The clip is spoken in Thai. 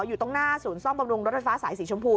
อยู่ตรงหน้าศูนย์สร้องปำรุงรถรวดฟ้าสีชมพู